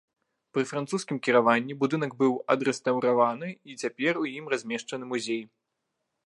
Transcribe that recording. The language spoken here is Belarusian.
Пры французскім кіраванні будынак быў адрэстаўраваны і цяпер у ім размешчаны музей.